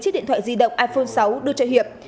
chiếc điện thoại di động iphone sáu đưa cho hiệp